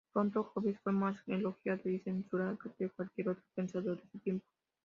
Pronto, Hobbes fue más elogiado y censurado que cualquier otro pensador de su tiempo.